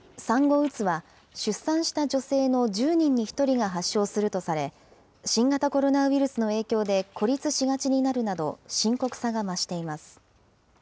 産後うつは、出産した女性の１０人に１人が発症するとされ、新型コロナウイルスの影響で孤立しがちになるなど、深刻さが増しています。